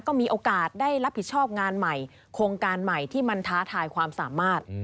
ก็มีโอกาสได้รับผิดชอบงานใหม่โครงการใหม่ที่มันท้าทายความสามารถ